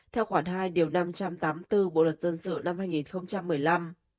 theo khoản hai điều năm trăm tám mươi bốn bộ luật dân sự năm hai nghìn một mươi năm